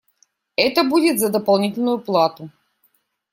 Это будет за дополнительную плату.